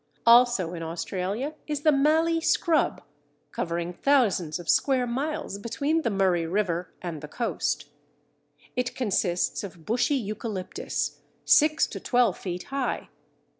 Also in Australia is the Mallee Scrub, covering thousands of square miles between the Murray River and the coast. It consists of bushy Eucalyptus, six to twelve feet high.